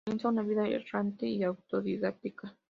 Comienza una vida errante y autodidacta.